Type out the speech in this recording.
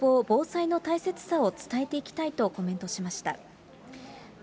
消防、防災の大切さを伝えていきたいとコメントしました。